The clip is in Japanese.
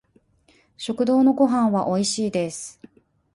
食堂のご飯は美味しいです